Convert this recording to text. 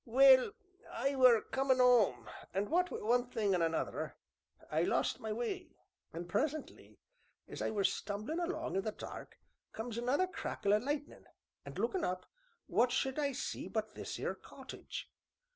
Well, I were comin' 'ome, and what wi' one thing an' another, I lost my way. An' presently, as I were stumblin' along in the dark, comes another crackle o' lightnin', an' lookin' up, what should I see but this 'ere cottage.